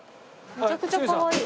めちゃくちゃかわいい。